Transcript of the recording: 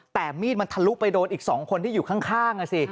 แต่มีดมันทะลุไปโดนอีก๒คนที่อยู่ข้างสิ